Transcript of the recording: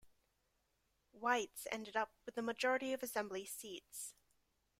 Whites ended up with the majority of Assembly seats.